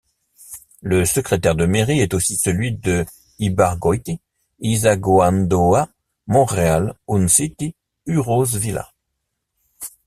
Le secrétaire de mairie est aussi celui de Ibargoiti, Izagaondoa, Monreal, Unciti, Urroz-Villa.